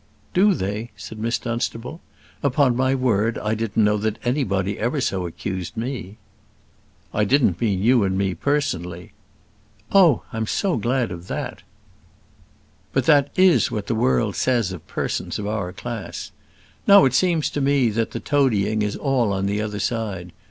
"Do they?" said Miss Dunstable. "Upon my word I didn't know that anybody ever so accused me." "I didn't mean you and me personally." "Oh! I'm glad of that." "But that is what the world says of persons of our class. Now it seems to me that the toadying is all on the other side.